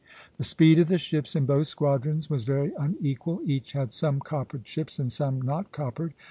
The speed of the ships in both squadrons was very unequal; each had some coppered ships and some not coppered.